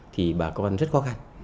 thì bà con rất khó khăn